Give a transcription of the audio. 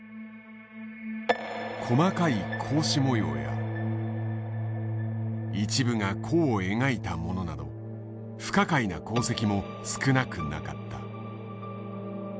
細かい格子模様や一部が弧を描いたものなど不可解な航跡も少なくなかった。